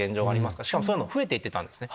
しかもそういうの増えていってたんですね。